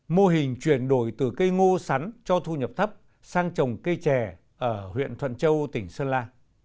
mô hình chuyển đổi từ cây ngô sắn cho thu nhập thấp sang trồng cây trè ở huyện thuận châu tỉnh sơn la